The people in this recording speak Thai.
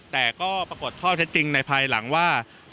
แต่ก็ปรากฏข้อเท็จจริงในภายหลังว่า